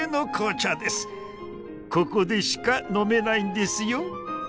ここでしか飲めないんですよ。